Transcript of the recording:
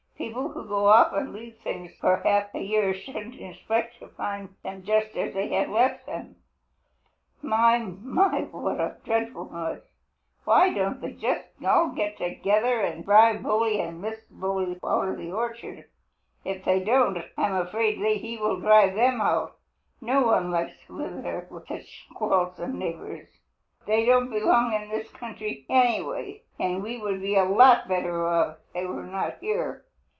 People who go off and leave things for half a year shouldn't expect to find them just as they left them. My, my, my what a dreadful noise! Why don't they all get together and drive Bully and Mrs. Bully out of the Old Orchard? If they don't I'm afraid he will drive them out. No one likes to live with such quarrelsome neighbors. They don't belong over in this country, anyway, and we would be a lot better off if they were not here.